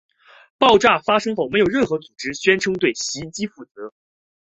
爆炸发生后没有任何组织宣称对袭击负责。